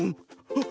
あっ！